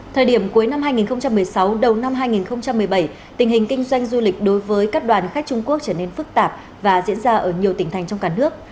thời điểm cuối năm hai nghìn một mươi sáu đầu năm hai nghìn một mươi bảy tình hình kinh doanh du lịch đối với các đoàn khách trung quốc trở nên phức tạp và diễn ra ở nhiều tỉnh thành trong cả nước